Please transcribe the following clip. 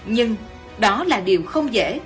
nhưng đó là điều không dễ